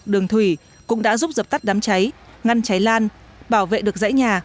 đường thủy cũng đã giúp dập tắt đám cháy ngăn cháy lan bảo vệ được dãy nhà